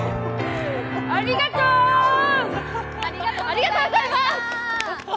ありがとう！